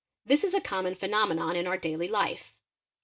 This is a common phenomenon in our daily life.